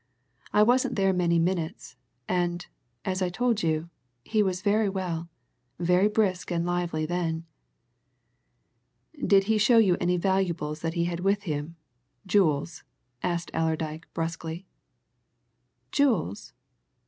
I wasn't there many minutes and, as I told you, he was very well, very brisk and lively then." "Did he show you any valuables that he had with him jewels?" asked Allerdyke brusquely. "Jewels!